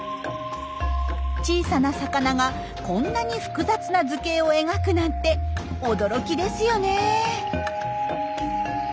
小さな魚がこんなに複雑な図形を描くなんて驚きですよね。